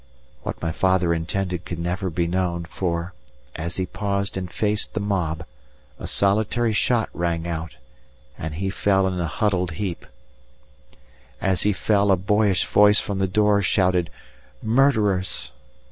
What my father intended can never be known, for, as he paused and faced the mob, a solitary shot rang out, and he fell in a huddled heap. As he fell, a boyish voice from the door shouted "Murderers!"